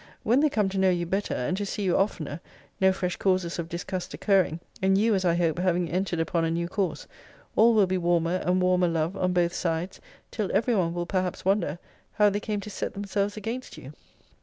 when they come to know you better, and to see you oftener, no fresh causes of disgust occurring, and you, as I hope, having entered upon a new course, all will be warmer and warmer love on both sides, till every one will perhaps wonder, how they came to set themselves against you.'